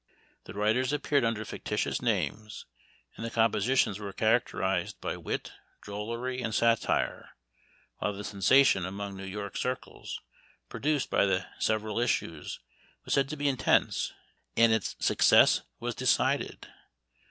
The writers appeared under fictitious! names, and the compositions were characterized! by wit, drollery, and satire, while the sensation among New York circles, produced by the sev !j eral issues, was said to be intense, and its suc cess was decided.